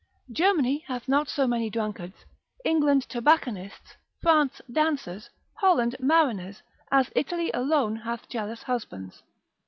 Germany hath not so many drunkards, England tobacconists, France dancers, Holland mariners, as Italy alone hath jealous husbands.